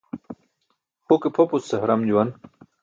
Huke pʰopus ce haram juwan.